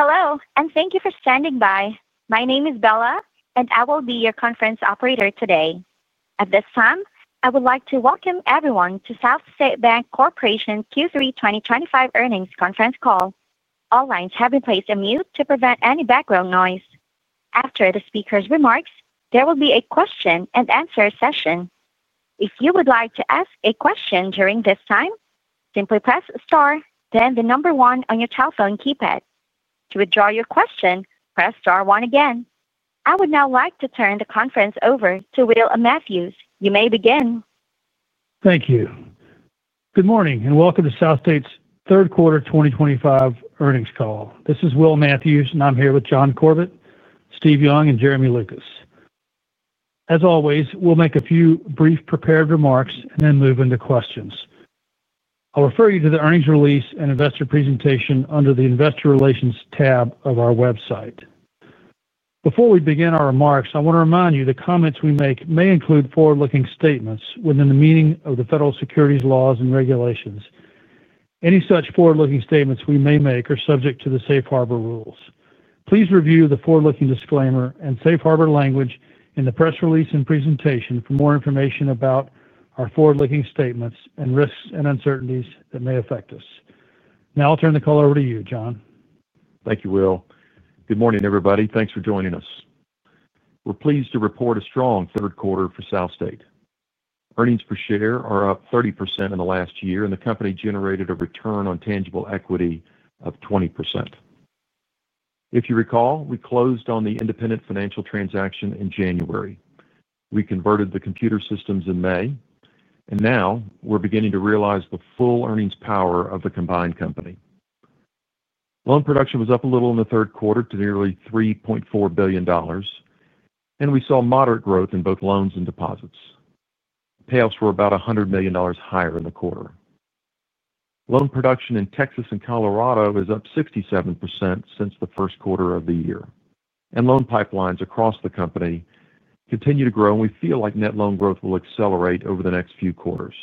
Hello, and thank you for standing by. My name is Bella, and I will be your conference operator today. At this time, I would like to welcome everyone SouthState Corporation q3 2025 earnings conference call. All lines have been placed on mute to prevent any background noise. After the speaker's remarks, there will be a question and answer session. If you would like to ask a question during this time, simply press star, then the number one on your telephone keypad. To withdraw your question, press star one again. I would now like to turn the conference over to Will Matthews. You may begin. Thank you. Good morning, and welcome to SouthState's third quarter 2025 earnings call. This is Will Matthews, and I'm here with John Corbett, Steve Young, and Jeremy Lucas. As always, we'll make a few brief prepared remarks and then move into questions. I'll refer you to the earnings release and investor presentation under the Investor Relations tab of our website. Before we begin our remarks, I want to remind you that comments we make may include forward-looking statements within the meaning of the federal securities laws and regulations. Any such forward-looking statements we may make are subject to the Safe Harbor rules. Please review the forward-looking disclaimer and Safe Harbor language in the press release and presentation for more information about our forward-looking statements and risks and uncertainties that may affect us. Now I'll turn the call over to you, John. Thank you, Will. Good morning, everybody. Thanks for joining us. We're pleased to report a strong third quarter for SouthState. Earnings per share are up 30% in the last year, and the company generated a return on tangible equity of 20%. If you recall, we closed on the Independent Financial transaction in January. We converted the computer systems in May, and now we're beginning to realize the full earnings power of the combined company. Loan production was up a little in the third quarter to nearly $3.4 billion, and we saw moderate growth in both loans and deposits. Payoffs were about $100 million higher in the quarter. Loan production in Texas and Colorado is up 67% since the first quarter of the year, and loan pipelines across the company continue to grow, and we feel like net loan growth will accelerate over the next few quarters.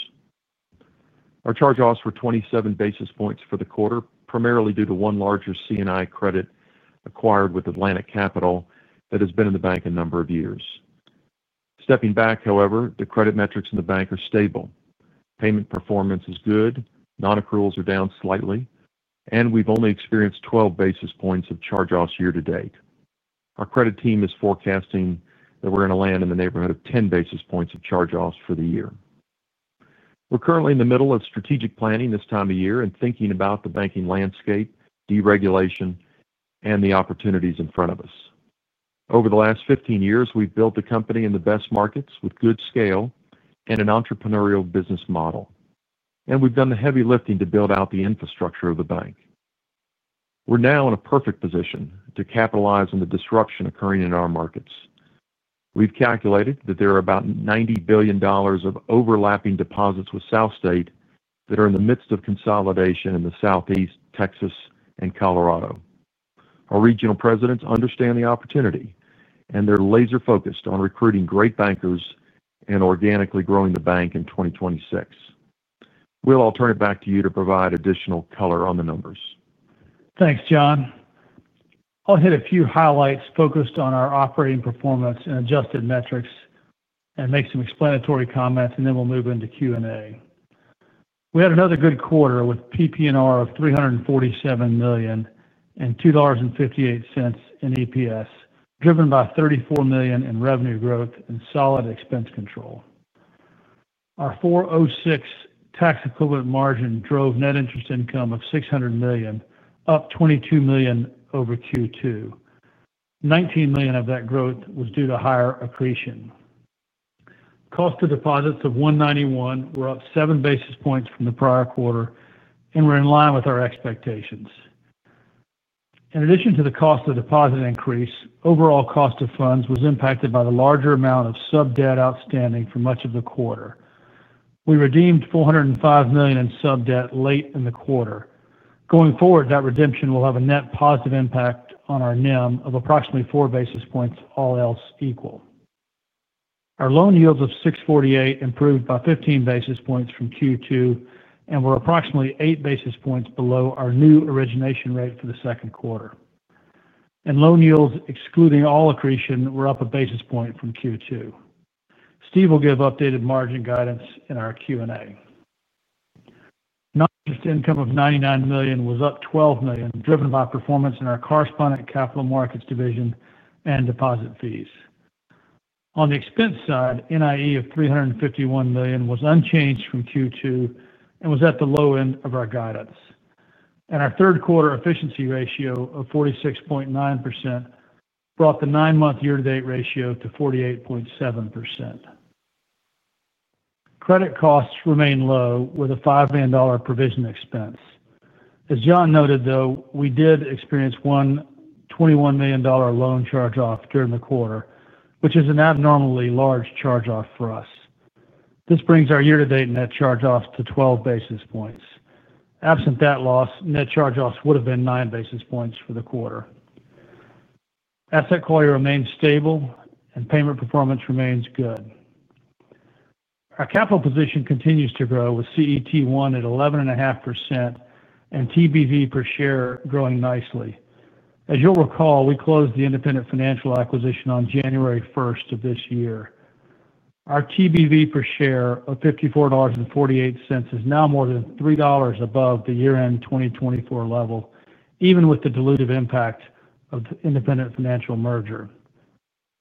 Our charge-offs were 27 basis points for the quarter, primarily due to one larger commercial and industrial credit acquired with Atlantic Capital that has been in the bank a number of years. Stepping back, however, the credit metrics in the bank are stable. Payment performance is good, non-accruals are down slightly, and we've only experienced 12 basis points of charge-offs year to date. Our credit team is forecasting that we're going to land in the neighborhood of 10 basis points of charge-offs for the year. We're currently in the middle of strategic planning this time of year and thinking about the banking landscape, deregulation, and the opportunities in front of us. Over the last 15 years, we've built a company in the best markets with good scale and an entrepreneurial business model, and we've done the heavy lifting to build out the infrastructure of the bank. We're now in a perfect position to capitalize on the disruption occurring in our markets. We've calculated that there are about $90 billion of overlapping deposits with SouthState that are in the midst of consolidation in the Southeast, Texas, and Colorado. Our regional presidents understand the opportunity, and they're laser-focused on recruiting great bankers and organically growing the bank in 2026. Will, I'll turn it back to you to provide additional color on the numbers. Thanks, John. I'll hit a few highlights focused on our operating performance and adjusted metrics and make some explanatory comments, then we'll move into Q&A. We had another good quarter with PP&R of $347 million and $2.58 in EPS, driven by $34 million in revenue growth and solid expense control. Our 4.06% tax equivalent margin drove net interest income of $600 million, up $22 million over Q2. $19 million of that growth was due to higher accretion. Cost of deposits of 1.91% was up 7 basis points from the prior quarter, and we're in line with our expectations. In addition to the cost of deposit increase, overall cost of funds was impacted by the larger amount of sub-debt outstanding for much of the quarter. We redeemed $405 million in sub-debt late in the quarter. Going forward, that redemption will have a net positive impact on our NIM of approximately 4 basis points, all else equal. Our loan yields of 6.48% improved by 15 basis points from Q2 and were approximately 8 basis points below our new origination rate for the second quarter. Loan yields, excluding all accretion, were up a basis point from Q2. Steve will give updated margin guidance in our Q&A. Net interest income of $99 million was up $12 million, driven by performance in our correspondent banking services, capital markets division, and deposit fees. On the expense side, NII of $351 million was unchanged from Q2 and was at the low end of our guidance. Our third quarter efficiency ratio of 46.9% brought the nine-month year-to-date ratio to 48.7%. Credit costs remain low with a $5 million provision expense. As John noted, we did experience one $21 million loan charge-off during the quarter, which is an abnormally large charge-off for us. This brings our year-to-date net charge-offs to 12 basis points. Absent that loss, net charge-offs would have been nine basis points for the quarter. Asset quality remains stable, and payment performance remains good. Our capital position continues to grow with CET1 at 11.5% and tangible book value per share growing nicely. As you'll recall, we closed the Independent Financial acquisition on January 1st, of this year. Our tangible book value per share of $54.48 is now more than $3 above the year-end 2024 level, even with the dilutive impact of the Independent Financial merger.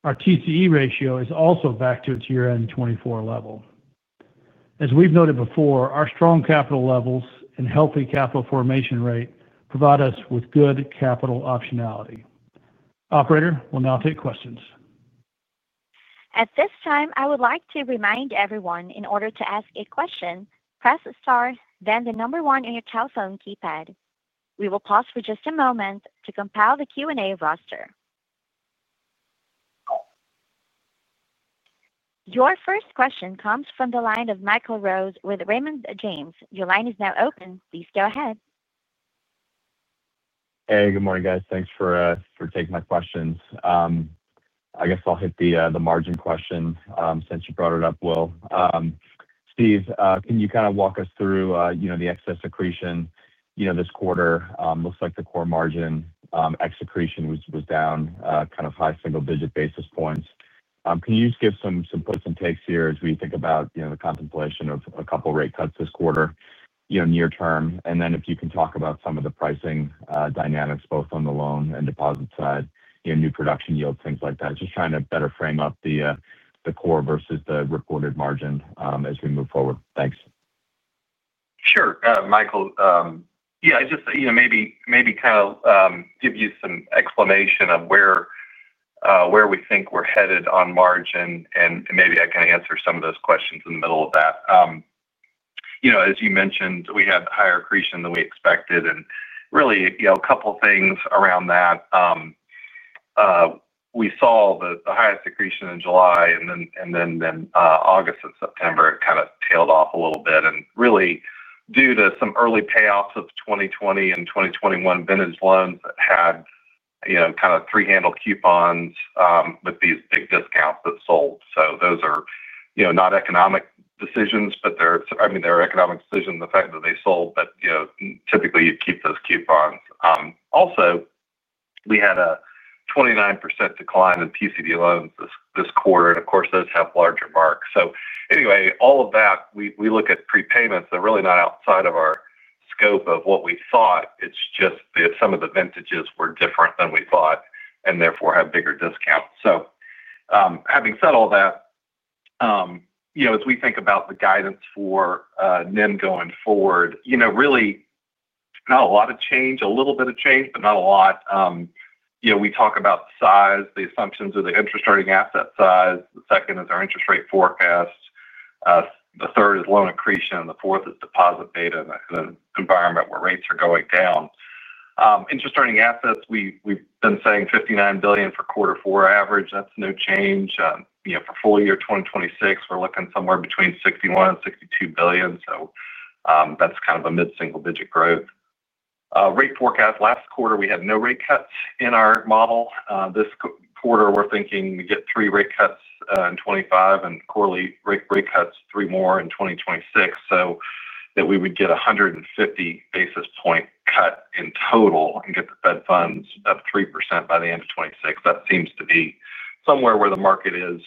Our TCE ratio is also back to its year-end 2024 level. As we've noted before, our strong capital levels and healthy capital formation rate provide us with good capital optionality. Operator, we'll now take questions. At this time, I would like to remind everyone, in order to ask a question, press star, then the number one on your telephone keypad. We will pause for just a moment to compile the Q&A roster. Your first question comes from the line of Michael Rose with Raymond James. Your line is now open. Please go ahead. Hey, good morning, guys. Thanks for taking my questions. I guess I'll hit the margin question since you brought it up, Will. Steve, can you kind of walk us through the excess accretion? This quarter looks like the core margin accretion was down kind of high single-digit basis points. Can you just give some puts and takes here as we think about the contemplation of a couple of rate cuts this quarter, near term? If you can talk about some of the pricing dynamics, both on the loan and deposit side, new production yields, things like that. Just trying to better frame up the core versus the reported margin as we move forward. Thanks. Sure, Michael. Yeah, I just, you know, maybe kind of give you some explanation of where we think we're headed on margin, and maybe I can answer some of those questions in the middle of that. You know, as you mentioned, we had higher accretion than we expected, and really, you know, a couple of things around that. We saw the highest accretion in July, and then in August and September, it kind of tailed off a little bit. Really, due to some early payoffs of 2020 and 2021 vintage loans that had, you know, kind of three-handle coupons with these big discounts that sold. Those are, you know, not economic decisions, but they're, I mean, they're economic decisions in the fact that they sold, but you know, typically, you'd keep those coupons. Also, we had a 29% decline in PCD loans this quarter, and of course, those have larger marks. Anyway, all of that, we look at prepayments. They're really not outside of our scope of what we thought. It's just that some of the vintages were different than we thought, and therefore had bigger discounts. Having said all that, you know, as we think about the guidance for NIM going forward, you know, really, not a lot of change, a little bit of change, but not a lot. You know, we talk about the size, the assumptions of the interest earning asset size. The second is our interest rate forecast. The third is loan accretion, and the fourth is deposit data in an environment where rates are going down. Interest earning assets, we've been saying $59 billion for quarter four average. That's no change. You know, for full year 2026, we're looking somewhere between $61 billion and $62 billion. That's kind of a mid-single-digit growth. Rate forecast last quarter, we had no rate cuts in our model. This quarter, we're thinking we get three rate cuts in 2025 and quarterly rate cuts, three more in 2026. That would get a 150 basis point cut in total and get the Fed funds up 3% by the end of 2026. That seems to be somewhere where the market is.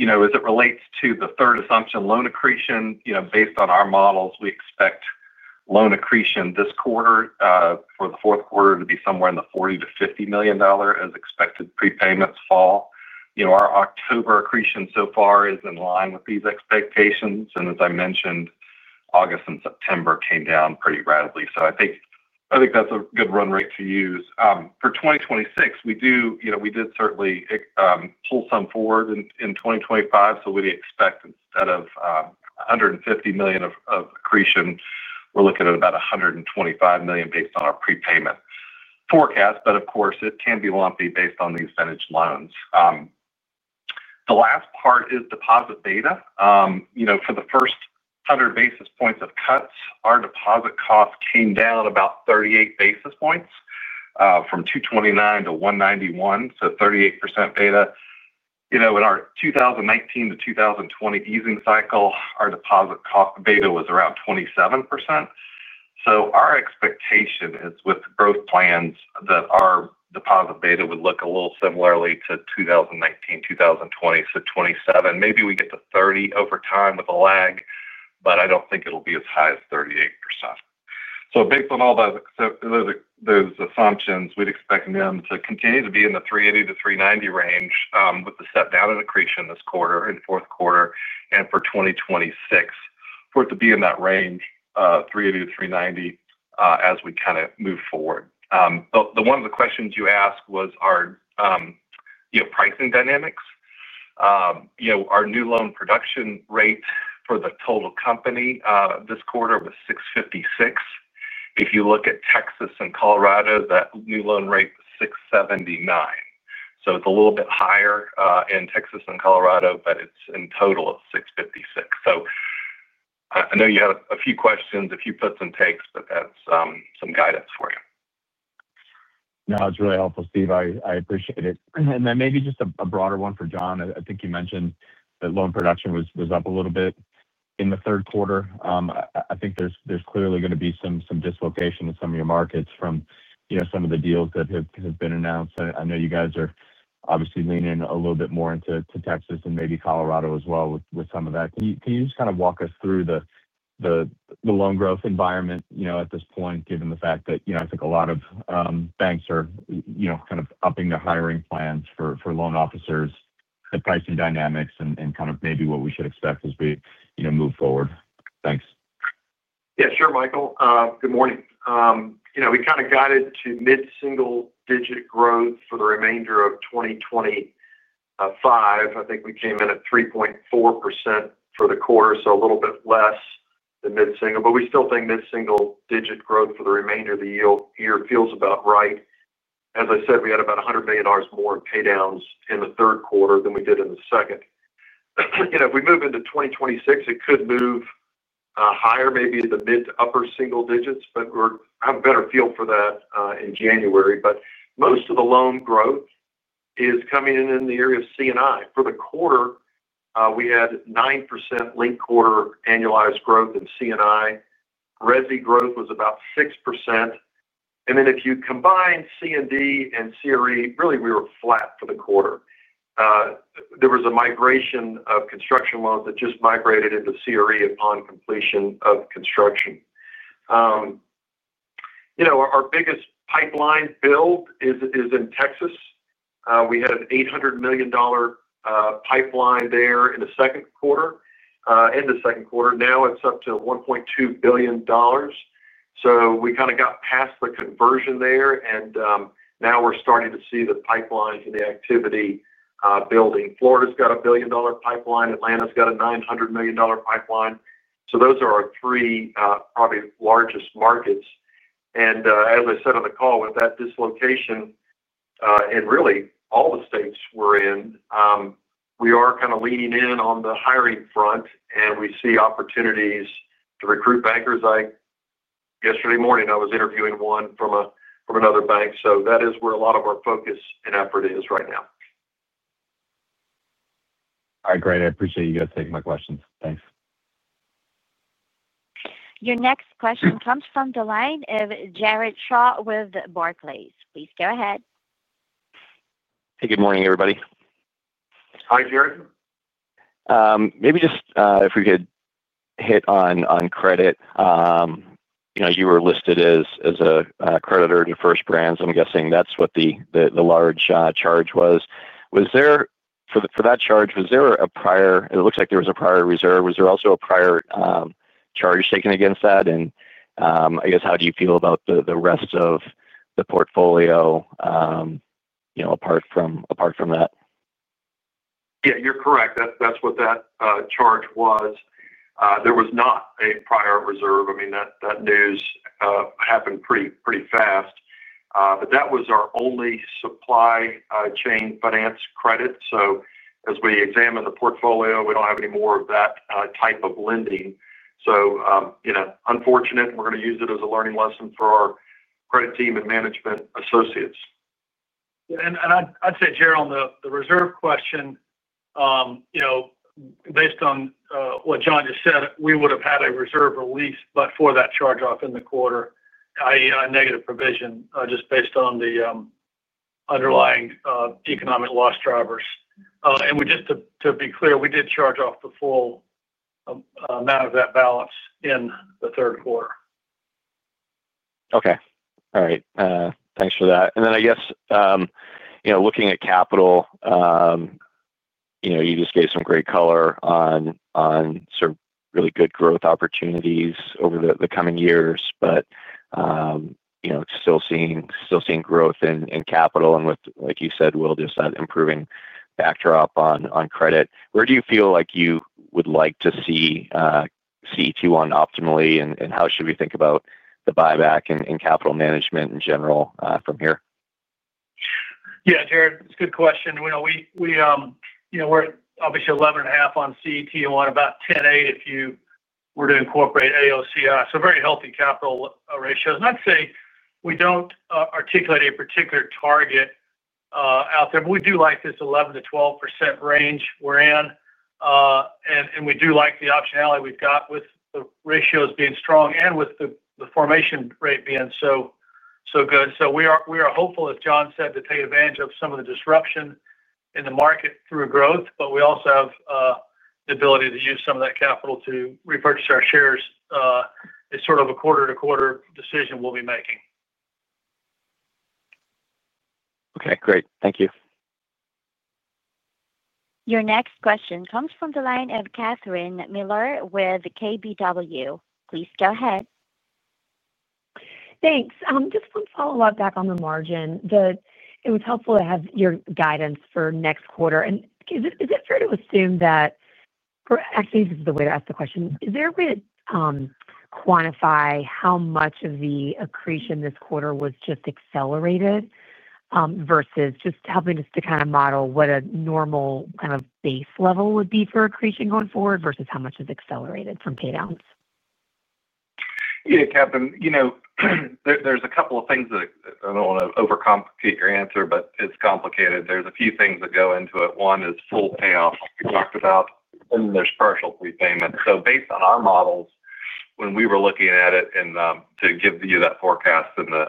You know, as it relates to the third assumption, loan accretion, you know, based on our models, we expect loan accretion this quarter for the fourth quarter to be somewhere in the $40 million-$50 million as expected prepayments fall. You know, our October accretion so far is in line with these expectations. As I mentioned, August and September came down pretty rapidly. I think that's a good run rate to use. For 2026, we do, you know, we did certainly pull some forward in 2025. We expect instead of $150 million of accretion, we're looking at about $125 million based on our prepayment forecast. Of course, it can be lumpy based on these vintage loans. The last part is deposit beta. For the first 100 basis points of cuts, our deposit cost came down about 38 basis points from $2.29 to $1.91, so 38% beta. In our 2019-2020 easing cycle, our deposit cost beta was around 27%. Our expectation is with growth plans that our deposit beta would look a little similarly to 2019-2020, so 27%. Maybe we get to 30% over time with a lag, but I don't think it'll be as high as 38%. Based on all those assumptions, we'd expect NIM to continue to be in the $3.80-$3.90 range with the set down in accretion this quarter and fourth quarter and for 2026. For it to be in that range, $3.80-$3.90, as we kind of move forward. One of the questions you asked was our, you know, pricing dynamics. Our new loan production rate for the total company this quarter was $6.56. If you look at Texas and Colorado, that new loan rate was $6.79. It's a little bit higher in Texas and Colorado, but it's in total of $6.56. I know you had a few questions, a few puts and takes, but that's some guidance for you. No, that's really helpful, Steve. I appreciate it. Maybe just a broader one for John. I think you mentioned that loan production was up a little bit in the third quarter. I think there's clearly going to be some dislocation in some of your markets from some of the deals that have been announced. I know you guys are obviously leaning a little bit more into Texas and maybe Colorado as well with some of that. Can you just kind of walk us through the loan growth environment at this point, given the fact that I think a lot of banks are kind of upping their hiring plans for loan officers, the pricing dynamics, and kind of maybe what we should expect as we move forward? Thanks. Yeah, sure, Michael. I think good morning. You know, we kind of guided to mid-single-digit growth for the remainder of 2025. I think we came in at 3.4% for the quarter, so a little bit less than mid-single, but we still think mid-single-digit growth for the remainder of the year feels about right. As I said, we had about $100 million more in paydowns in the third quarter than we did in the second. You know, if we move into 2026, it could move higher, maybe the mid to upper single digits, but we'll have a better feel for that in January. Most of the loan growth is coming in in the area of commercial and industrial lending. For the quarter, we had 9% linked quarter annualized growth in commercial and industrial lending. Residential growth was about 6%. If you combine construction and development and commercial real estate, really, we were flat for the quarter. There was a migration of construction loans that just migrated into commercial real estate upon completion of construction. Our biggest pipeline build is in Texas. We had an $800 million pipeline there in the second quarter. End of second quarter, now it's up to $1.2 billion. We kind of got past the conversion there, and now we're starting to see the pipelines and the activity building. Florida's got a $1 billion pipeline. Atlanta's got a $900 million pipeline. Those are our three, probably, largest markets. As I said on the call, with that dislocation, and really all the states we're in, we are kind of leaning in on the hiring front, and we see opportunities to recruit bankers. Like yesterday morning, I was interviewing one from another bank. That is where a lot of our focus and effort is right now. All right, great. I appreciate you guys taking my questions. Thanks. Your next question comes from the line of Jared Shaw with Barclays. Please go ahead. Hey, good morning, everybody. Hi, Jared. Maybe just if we could hit on credit. You know, you were listed as a creditor to First Brands. I'm guessing that's what the large charge was. Was there for that charge, was there a prior—it looks like there was a prior reserve. Was there also a prior charge taken against that? I guess how do you feel about the rest of the portfolio, you know, apart from that? Yeah, you're correct. That's what that charge was. There was not a prior reserve. I mean, that news happened pretty fast. That was our only supply chain finance credit. As we examine the portfolio, we don't have any more of that type of lending. Unfortunate, and we're going to use it as a learning lesson for our credit team and management associates. I'd say, Jared, the reserve question, based on what John just said, we would have had a reserve release before that charge-off in the quarter, i.e., a negative provision just based on the underlying economic loss drivers. Just to be clear, we did charge off the full amount of that balance in the third quarter. Okay. All right. Thanks for that. I guess, you know, looking at capital, you just gave some great color on sort of really good growth opportunities over the coming years. Still seeing growth in capital, and like you said, Will, just that improving backdrop on credit. Where do you feel like you would like to see CET1 optimally? How should we think about the buyback and capital management in general from here? Yeah, Jared, it's a good question. You know, we're obviously 11.5% on CET1, about 10.8% if you were to incorporate AOC. Very healthy capital ratios. I'd say we don't articulate a particular target out there, but we do like this 11%-12% range we're in. We do like the optionality we've got with the ratios being strong and with the formation rate being so good. We are hopeful, as John said, to take advantage of some of the disruption in the market through growth, but we also have the ability to use some of that capital to repurchase our shares. It's sort of a quarter-to-quarter decision we'll be making. Okay, great. Thank you. Your next question comes from the line of Catherine Mealor with KBW. Please go ahead. Thanks. Just one follow-up back on the margin. It was helpful to have your guidance for next quarter. Is it fair to assume that, or actually, this is the way to ask the question. Is there a way to quantify how much of the accretion this quarter was just accelerated versus just helping us to kind of model what a normal kind of base level would be for accretion going forward versus how much is accelerated from paydowns? Yeah, Catherine, you know, there's a couple of things that I don't want to overcomplicate your answer, but it's complicated. There's a few things that go into it. One is full payoff, like we talked about, and then there's partial prepayment. Based on our models, when we were looking at it and to give you that forecast in the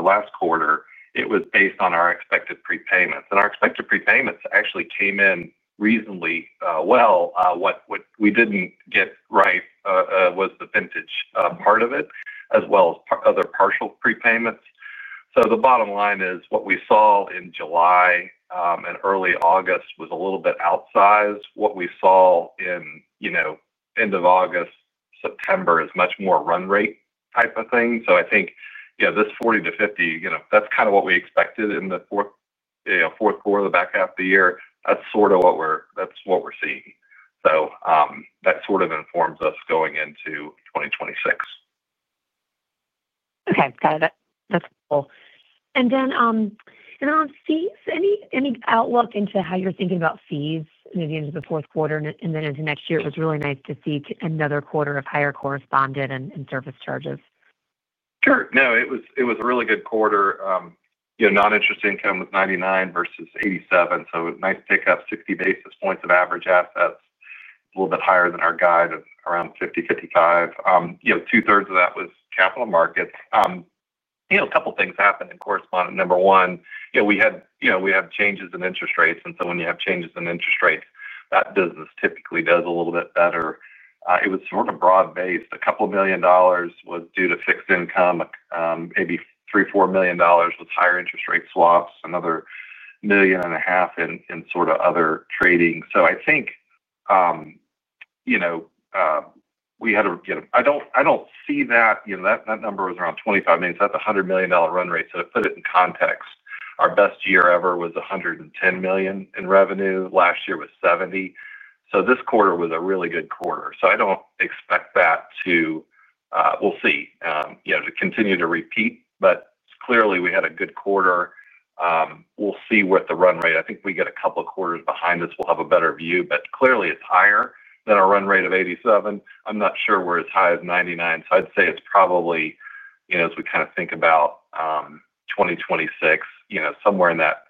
last quarter, it was based on our expected prepayments. Our expected prepayments actually came in reasonably well. What we didn't get right was the vintage part of it, as well as other partial prepayments. The bottom line is what we saw in July and early August was a little bit outsized. What we saw in end of August, September is much more run rate type of thing. I think this 40%-50%, that's kind of what we expected in the fourth quarter, the back half of the year. That's sort of what we're seeing. That sort of informs us going into 2026. Okay. Got it. That's helpful. On fees, any outlook into how you're thinking about fees near the end of the fourth quarter and into next year? It was really nice to see another quarter of higher correspondent banking services and service charges. Sure. No, it was a really good quarter. You know, non-interest income was $99 million versus $87 million. So a nice pickup, 60 basis points of average assets, a little bit higher than our guide of around 50%, 55%. You know, two-thirds of that was capital markets. A couple of things happened in correspondent. Number one, we had changes in interest rates. And so when you have changes in interest rates, that business typically does a little bit better. It was sort of broad-based. A couple of million dollars was due to fixed income. Maybe $3 million, $4 million was higher interest rate swaps, another $1.5 million in sort of other trading. I think that number was around $25 million. So that's a $100 million run rate. To put it in context, our best year ever was $110 million in revenue. Last year was $70 million. This quarter was a really good quarter. I don't expect that to, we'll see, continue to repeat. Clearly, we had a good quarter. We'll see with the run rate. I think we get a couple of quarters behind this, we'll have a better view. Clearly, it's higher than our run rate of $87 million. I'm not sure we're as high as $99 million. I'd say it's probably, as we kind of think about 2026, somewhere in that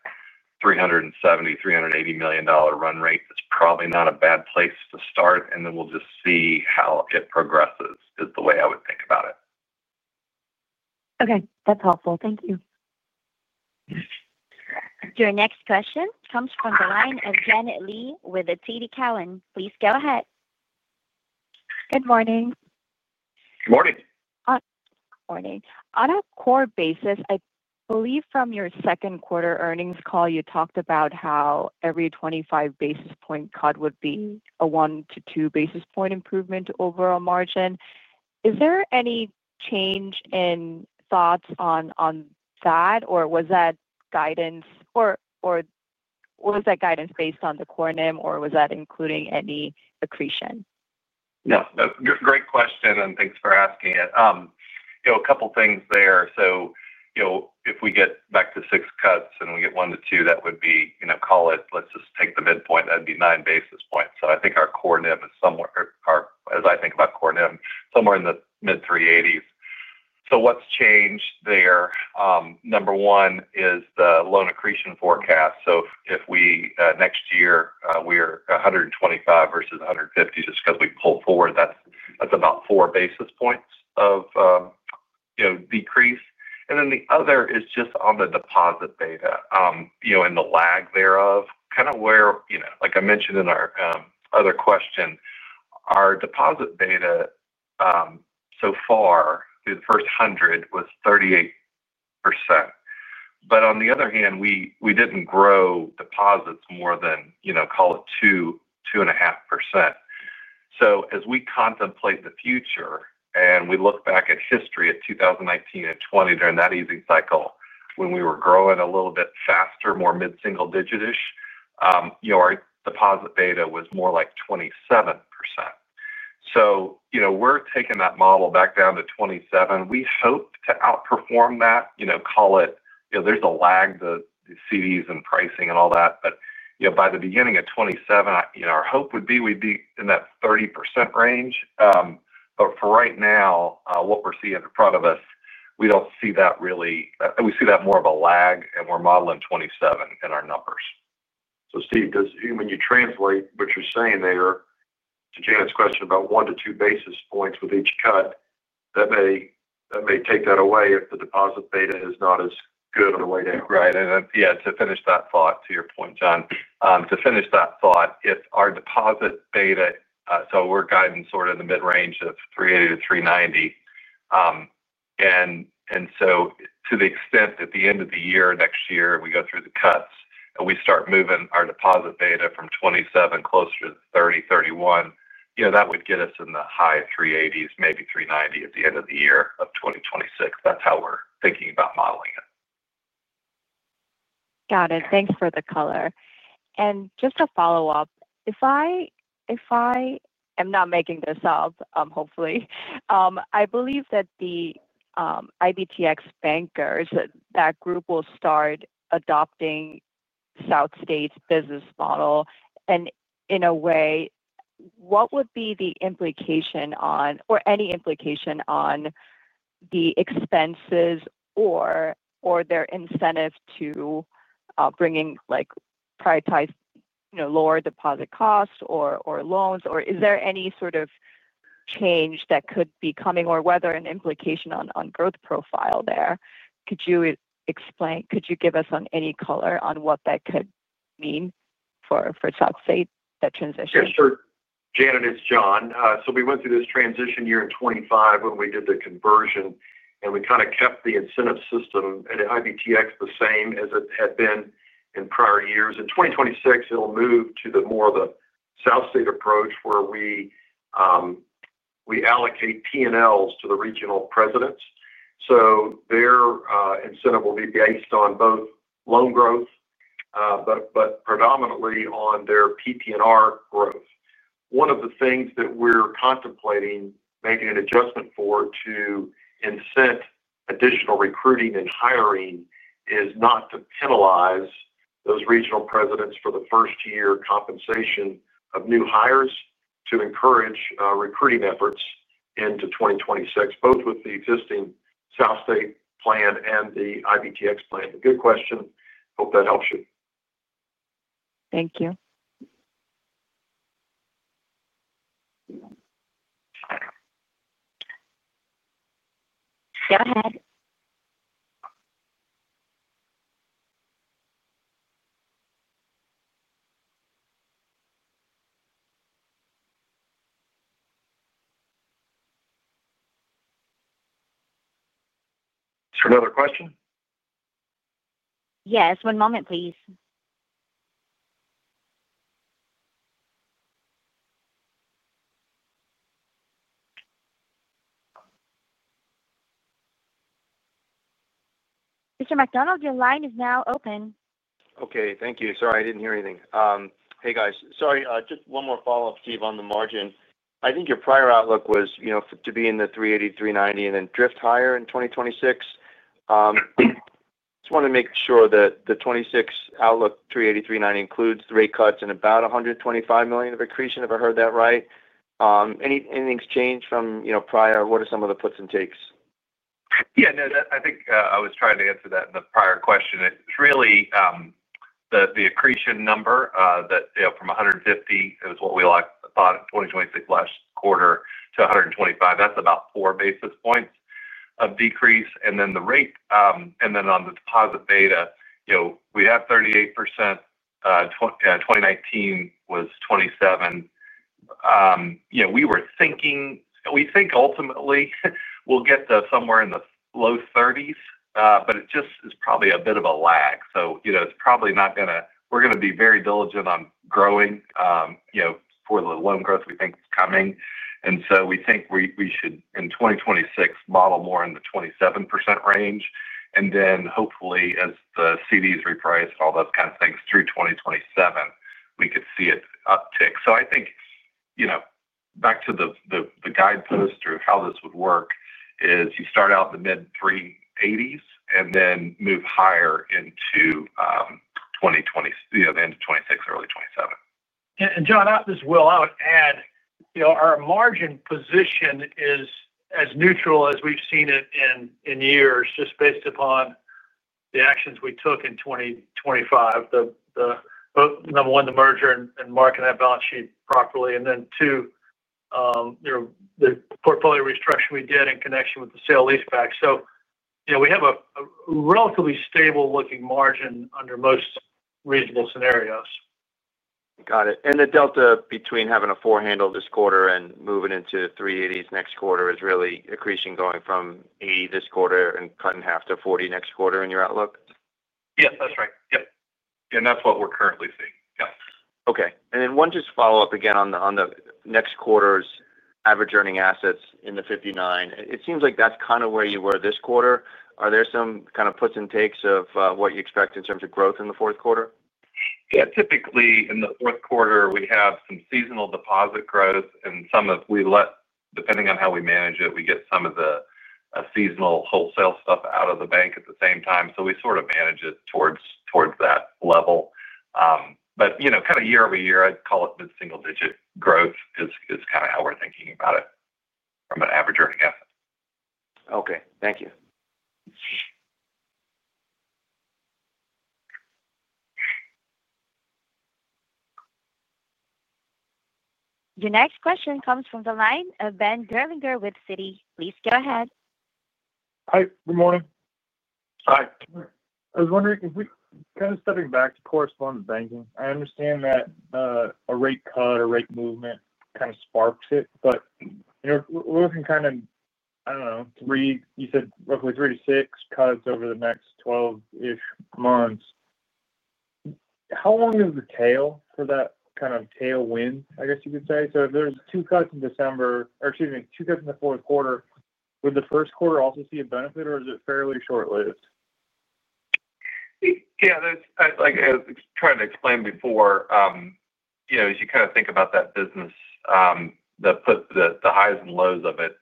$370 million, $380 million run rate, that's probably not a bad place to start. We'll just see how it progresses, is the way I would think about it. Okay, that's helpful. Thank you. Your next question comes from the line of Janet Lee with TD Cowen. Please go ahead. Good morning. Good morning. Morning. On a core basis, I believe from your second quarter earnings call, you talked about how every 25 basis point cut would be a one to two basis point improvement to overall margin. Is there any change in thoughts on that, or was that guidance, or was that guidance based on the core NIM, or was that including any accretion? Great question, and thanks for asking it. You know, a couple of things there. If we get back to six cuts and we get one to two, that would be, you know, call it, let's just take the midpoint. That'd be 9 basis points. I think our core NIM is somewhere, as I think about core NIM, somewhere in the mid $3.80s. What's changed there? Number one is the loan accretion forecast. If we, next year, we're 125 versus 150 just because we pull forward, that's about 4 basis points of decrease. The other is just on the deposit beta, and the lag thereof, kind of where, like I mentioned in our other question, our deposit beta so far, through the first 100, was 38%. On the other hand, we didn't grow deposits more than, you know, call it 2%, 2.5%. As we contemplate the future and we look back at history at 2019 and 2020 during that easing cycle, when we were growing a little bit faster, more mid-single digit-ish, our deposit beta was more like 27%. We're taking that model back down to 27%. We hope to outperform that, you know, call it, there's a lag, the CDs and pricing and all that. By the beginning of 2027, our hope would be we'd be in that 30% range. For right now, what we're seeing in front of us, we don't see that really, we see that more of a lag, and we're modeling 27% in our numbers. Steve, does when you translate what you're saying there to Janet's question about one to two basis points with each cut, that may take that away if the deposit beta is not as good on the way down. Right. To finish that thought, to your point, John, to finish that thought, if our deposit beta, so we're guiding sort of in the mid-range of $3.80-$3.90. To the extent at the end of the year, next year, we go through the cuts and we start moving our deposit beta from 27% closer to 30%, 31%, that would get us in the high $3.80s, maybe $3.90 at the end of the year of 2026. That's how we're thinking about modeling it. Got it. Thanks for the color. Just to follow up, if I am not making this up, hopefully, I believe that the IBTX bankers, that group will start adopting SouthState's business model. In a way, what would be the implication on or any implication on the expenses or their incentive to bringing like prioritized, you know, lower deposit costs or loans? Is there any sort of change that could be coming or whether an implication on growth profile there? Could you explain, could you give us any color on what that could mean for SouthState, that transition? Yeah, sure. Janet, it's John. We went through this transition year in 2025 when we did the conversion, and we kind of kept the incentive system at IBTX the same as it had been in prior years. In 2026, it'll move to more of the SouthState approach where we allocate P&Ls to the Regional Presidents. Their incentive will be based on both loan growth, but predominantly on their PP&R growth. One of the things that we're contemplating making an adjustment for to incent additional recruiting and hiring is not to penalize those Regional Presidents for the first year compensation of new hires to encourage recruiting efforts into 2026, both with the existing SouthState plan and the IBTX plan. Good question. Hope that helps you. Thank you. Go ahead. Is there another question? Yes, one moment, please. Mr. McDonald, your line is now open. Okay. Thank you. Sorry, I didn't hear anything. Hey, guys. Sorry, just one more follow-up, Steve, on the margin. I think your prior outlook was, you know, to be in the $3.80, $3.90 and then drift higher in 2026. I just want to make sure that the 2026 outlook $3.80, $3.90 includes the rate cuts and about $125 million of accretion, if I heard that right. Anything's changed from, you know, prior? What are some of the puts and takes? Yeah, no, I think I was trying to answer that in the prior question. It's really the accretion number, that, you know, from 150, it was what we all thought in 2026 last quarter to $125 million. That's about four basis points of decrease. Then on the deposit beta, you know, we have 38%. 2019 was 27%. You know, we think ultimately we'll get to somewhere in the low 30s, but it just is probably a bit of a lag. You know, it's probably not going to, we're going to be very diligent on growing, you know, for the loan growth we think is coming. We think we should, in 2026, model more in the 27% range. Hopefully, as the CDs reprice and all those kinds of things through 2027, we could see it uptick. I think, back to the guidepost or how this would work, is you start out in the mid-$3.80s and then move higher into the end of 2026, early 2027. John, this is Will. I would add, our margin position is as neutral as we've seen it in years, just based upon the actions we took in 2025. The number one, the merger and marking that balance sheet properly. Then two, the portfolio restructuring we did in connection with the sale-leaseback. We have a relatively stable-looking margin under most reasonable scenarios. Got it. The delta between having a four-handle this quarter and moving into $3.80s next quarter is really accretion going from 80 this quarter and cutting half to 40 next quarter in your outlook? Yeah, that's right. Yep, that's what we're currently seeing. Okay. One just follow-up again on the next quarter's average earning assets in the $59 billion. It seems like that's kind of where you were this quarter. Are there some kind of puts and takes of what you expect in terms of growth in the fourth quarter? Typically in the fourth quarter, we have some seasonal deposit growth, and depending on how we manage it, we get some of the seasonal wholesale stuff out of the bank at the same time. We sort of manage it towards that level, but year over year, I'd call it mid-single-digit growth is kind of how we're thinking about it from an average earning asset. Okay, thank you. Your next question comes from the line of Ben Gerlinger with Citi. Please go ahead. Hi. Good morning. Hi. I was wondering, if we kind of step back to correspondent banking, I understand that a rate cut, a rate movement kind of sparks it. We're looking, I don't know, you said roughly three to six cuts over the next 12-ish months. How long is the tail for that kind of tailwind, I guess you could say? If there's two cuts in December, or excuse me, two cuts in the fourth quarter, would the first quarter also see a benefit, or is it fairly short-lived? Yeah, as I was trying to explain before, as you kind of think about that business, the highs and lows of it,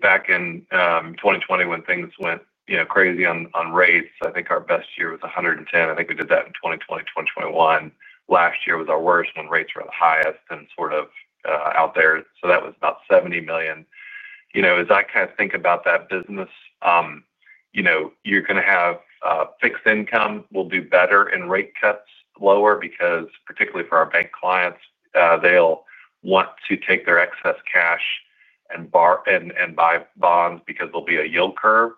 back in 2020 when things went crazy on rates, I think our best year was $110 million. I think we did that in 2020, 2021. Last year was our worst when rates were at the highest and sort of out there. That was about $70 million. As I kind of think about that business, you're going to have fixed income do better in rate cuts lower because, particularly for our bank clients, they'll want to take their excess cash and buy bonds because there will be a yield curve.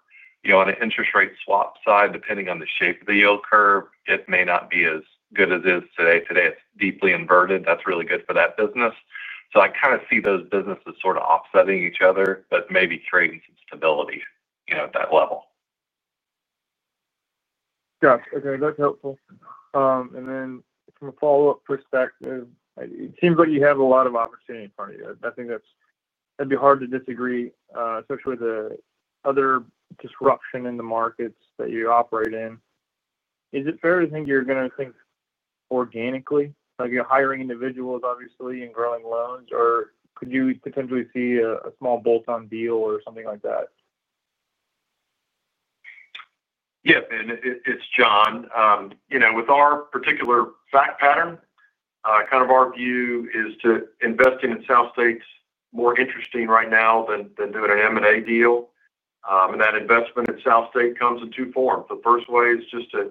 On the interest rate swap side, depending on the shape of the yield curve, it may not be as good as it is today. Today, it's deeply inverted. That's really good for that business. I kind of see those businesses offsetting each other, but maybe creating some stability at that level. Gotcha. Okay. That's helpful. From a follow-up perspective, it seems like you have a lot of opportunity in front of you. I think that'd be hard to disagree, especially with the other disruption in the markets that you operate in. Is it fair to think you're going to think organically, like you're hiring individuals, obviously, and growing loans, or could you potentially see a small bolt-on deal or something like that? Yeah, and it's John. You know, with our particular fact pattern, kind of our view is investing in SouthState's more interesting right now than doing an M&A deal. That investment in SouthState comes in two forms. The first way is just to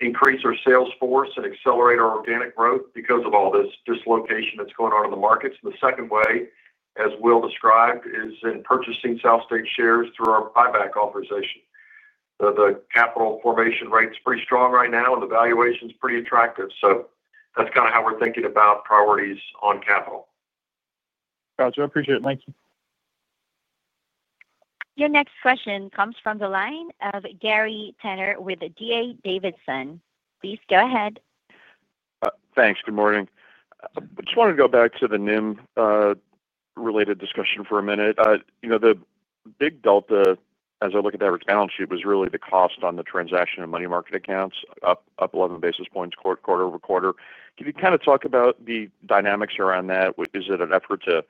increase our sales force and accelerate our organic growth because of all this dislocation that's going on in the markets. The second way, as Will described, is in purchasing SouthState shares through our buyback authorization. The capital formation rate is pretty strong right now, and the valuation is pretty attractive. That's kind of how we're thinking about priorities on capital. Gotcha. I appreciate it. Thank you. Your next question comes from the line of Gary Tenner with D.A. Davidson. Please go ahead. Thanks. Good morning. I just wanted to go back to the NIM-related discussion for a minute. You know, the big delta, as I look at the average balance sheet, was really the cost on the transaction and money market accounts up 11 basis points quarter over quarter. Can you kind of talk about the dynamics around that? Is it an effort to, you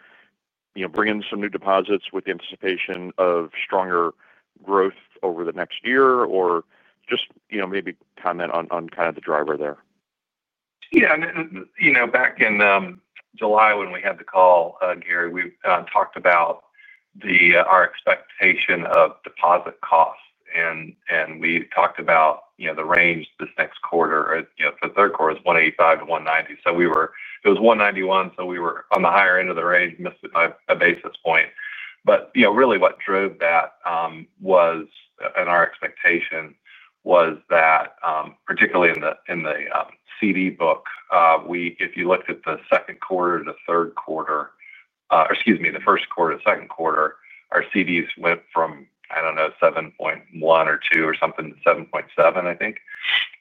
know, bring in some new deposits with the anticipation of stronger growth over the next year, or just, you know, maybe comment on kind of the driver there? Yeah. You know, back in July when we had the call, Gary, we talked about our expectation of deposit costs. We talked about the range this next quarter, for the third quarter, as 1.85%-1.90%. It was 1.91%, so we were on the higher end of the range, missed a basis point. What drove that was, and our expectation was that, particularly in the CD book, if you looked at the first quarter to second quarter, our CDs went from, I don't know, 7.1 or 7.2 or something to 7.7, I think.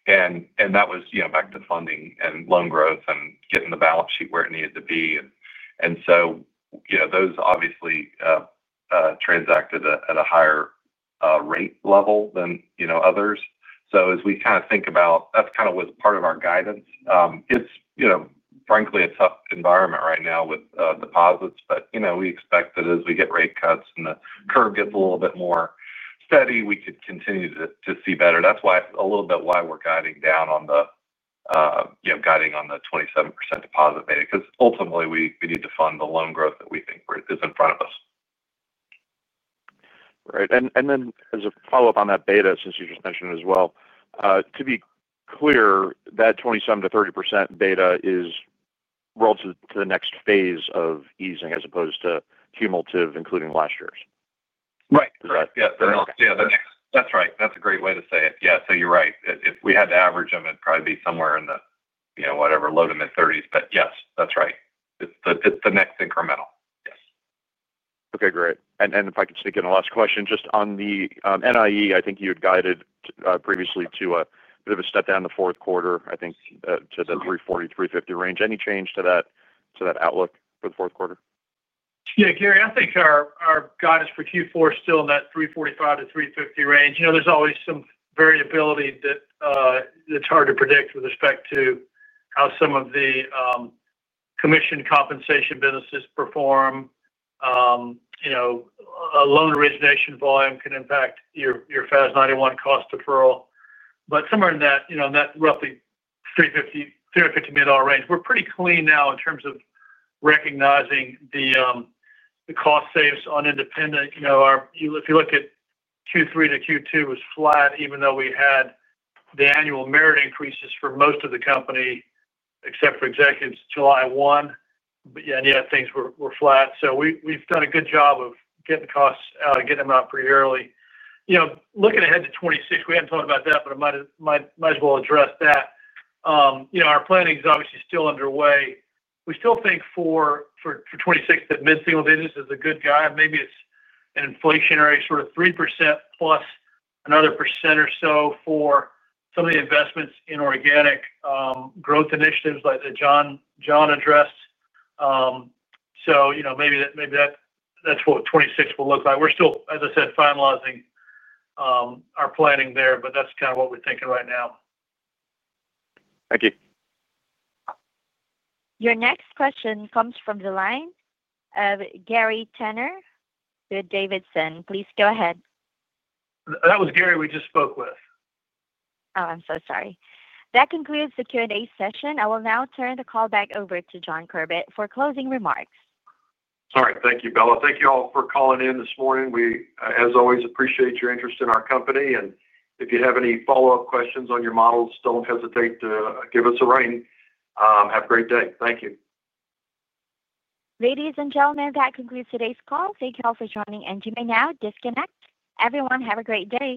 That was back to funding and loan growth and getting the balance sheet where it needed to be. Those obviously transacted at a higher rate level than others. As we kind of think about it, that was part of our guidance. It's, frankly, a tough environment right now with deposits. We expect that as we get rate cuts and the curve gets a little bit more steady, we could continue to see better. That's a little bit why we're guiding down on the 27% deposit beta. Ultimately, we need to fund the loan growth that we think is in front of us. Right. Then as a follow-up on that beta, since you just mentioned it as well, to be clear, that 27%-30% beta is relative to the next phase of easing as opposed to cumulative, including last year's. Right. Yeah, that's right. That's a great way to say it. Yeah, you're right. If we had to average them, it'd probably be somewhere in the low to mid-30s. Yes, that's right. It's the next incremental. Yes. Okay, great. If I could stick in a last question, just on the NII, I think you had guided previously to a bit of a step down in the fourth quarter, I think, to the $340 million, $350 million range. Any change to that outlook for the fourth quarter? Yeah, Gary, I think our guidance for Q4 is still in that $345 million-$350 million range. There's always some variability that's hard to predict with respect to how some of the commission compensation businesses perform. A loan origination volume can impact your FAS 91 cost deferral. Somewhere in that roughly $350 million range, we're pretty clean now in terms of recognizing the cost saves on Independent. If you look at Q3 to Q2, it was flat, even though we had the annual merit increases for most of the company, except for executives, July 1. Things were flat. We've done a good job of getting the costs out and getting them out pretty early. Looking ahead to 2026, we hadn't talked about that, but I might as well address that. Our planning is obviously still underway. We still think for 2026, that mid-single digits is a good guide. Maybe it's an inflationary sort of 3%+ another percent or so for some of the investments in organic growth initiatives like that John addressed. Maybe that's what 2026 will look like. We're still, as I said, finalizing our planning there, but that's kind of what we're thinking right now. Thank you. Your next question comes from the line of Gary Tenner with D.A. Davidson. Please go ahead. That was Gary we just spoke with. I'm so sorry. That concludes the Q&A session. I will now turn the call back over to John Corbett for closing remarks. All right. Thank you, Bella. Thank you all for calling in this morning. We, as always, appreciate your interest in our company. If you have any follow-up questions on your models, don't hesitate to give us a ring. Have a great day. Thank you. Ladies and gentlemen, that concludes today's call. Thank you all for joining, and you may now disconnect. Everyone, have a great day.